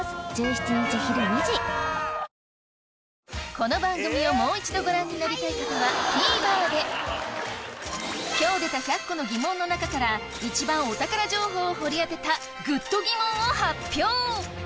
この番組をもう一度ご覧になりたい方はＴＶｅｒで今日出た１００個のギモンの中から一番お宝情報を掘り当てたグッドギモンを発表